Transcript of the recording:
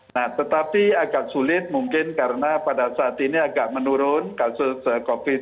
nah tetapi agak sulit mungkin karena pada saat ini agak menurun kasus covid sembilan belas